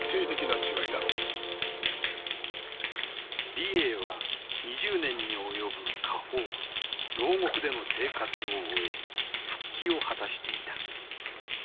李鋭は２０年に及ぶ下放牢獄での生活を終え復帰を果たしていた。